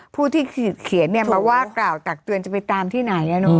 ผู้ที่ขีดเขียนเขาสมัครว่ากล่าวตากเตือนคงจะไปตามที่ไหน